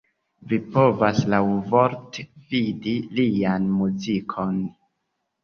Vi povas laŭvorte vidi lian muzikon.